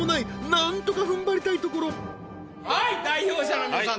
なんとかふんばりたいところはい代表者の皆さん